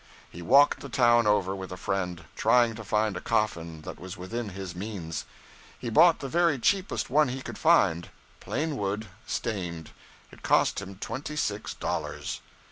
He walked the town over with a friend, trying to find a coffin that was within his means. He bought the very cheapest one he could find, plain wood, stained. It cost him twenty six dollars.